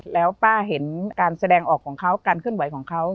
แล้วป้าเห็นการแสดงออกของเขาการเคลื่อนไหวของเขา